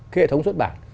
cái hệ thống xuất bản